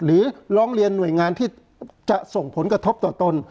หรือร้องเรียนหน่วยงานที่จะส่งผลกระทบต่อตน